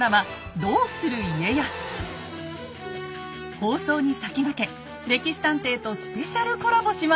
放送に先駆け「歴史探偵」とスペシャルコラボします。